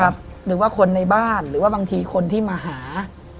หรือว่าคนในบ้านหรือว่าบางทีคนที่มาหา